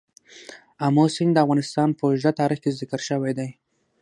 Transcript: آمو سیند د افغانستان په اوږده تاریخ کې ذکر شوی دی.